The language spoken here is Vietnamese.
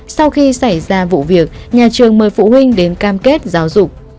sau khi xảy ra vụ việc nhà trường mời phụ huynh đến cam kết giáo dục